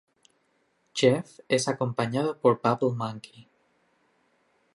Jeff es acompañado por Bubble Monkey.